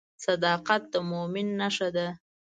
صداقت د مؤمن نښه ده.